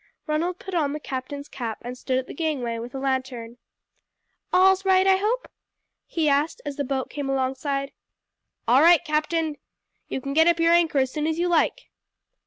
Ronald put on the captain's cap and stood at the gangway with a lantern. "All right, I hope?" he asked as the boat came alongside. "All right, captain! You can get up your anchor as soon as you like."